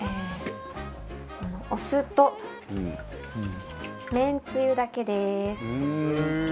このお酢とめんつゆだけです。